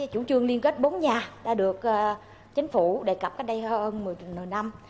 chủ trương liên kết bốn nhà đã được chính phủ đề cập cách đây hơn một mươi năm